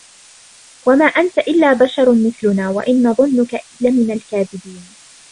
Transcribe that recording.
وما أنت إلا بشر مثلنا وإن نظنك لمن الكاذبين